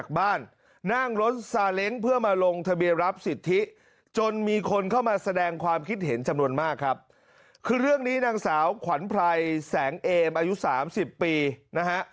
คือเรื่องนี้นางสาวขวัญไพรแสงเอมอายุ๓๐ปีนะฮะ